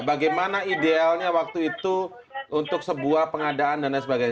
bagaimana idealnya waktu itu untuk sebuah pengadaan dan lain sebagainya